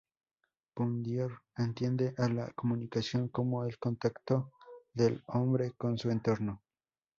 Bourdieu entiende a la comunicación como el contacto del hombre con su entorno.